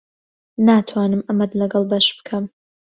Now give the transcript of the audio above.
ناتوانم ئەمەت لەگەڵ بەش بکەم.